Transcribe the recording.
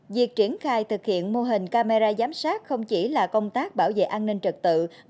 việc triển khai thực hiện mô hình camera giám sát không chỉ là công tác bảo vệ an ninh trật tự